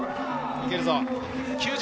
いけるぞ。